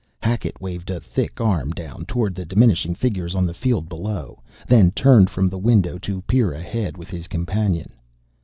Hackett waved a thick arm down toward the diminishing figures on the field below; then turned from the window to peer ahead with his companion.